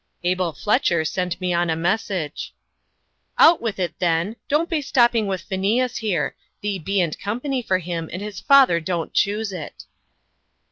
"Abel Fletcher sent me on a message." "Out with it then don't be stopping with Phineas here. Thee bean't company for him, and his father don't choose it."